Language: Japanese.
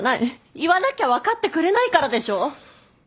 言わなきゃ分かってくれないからでしょ！？